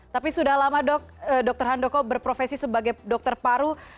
tapi sudah lama dokter handoko berprofesi sebagai dokter paru